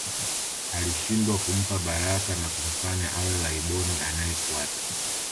Alishindwa kumpa baraka na kumfanya awe Laiboni anayefuata